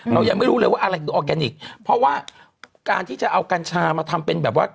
เรายังไม่รู้เลยว่าอะไรคือออร์แกนิคเพราะว่าการที่จะเอากัญชามาทำเป็นแบบว่า